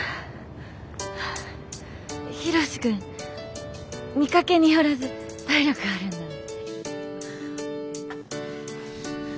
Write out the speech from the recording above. ヒロシ君見かけによらず体力あるんだね。